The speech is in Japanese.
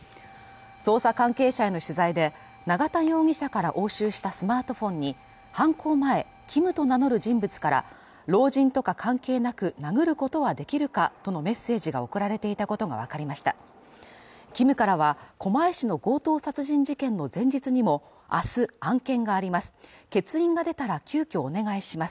捜査関係者への取材で永田容疑者から押収したスマートフォンに犯行前Ｋｉｍと名乗る人物から老人とか関係なく殴ることはできるかとのメッセージが送られていたことが分かりましたＫｉｍからは狛江市の強盗殺人事件の前日にも明日案件があります